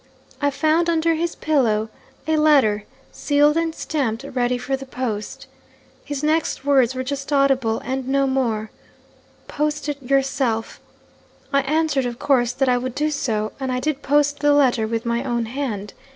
I found under his pillow a letter, sealed and stamped, ready for the post. His next words were just audible and no more 'Post it yourself.' I answered, of course, that I would do so and I did post the letter with my own hand.